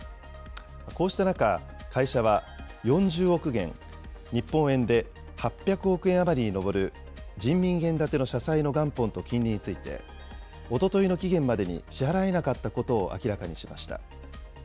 こうした中、会社は４０億元、日本円で８００億円余りに上る人民元建ての社債の元本と金利について、おとといの期限までに支払えなかったことを明らかにしました。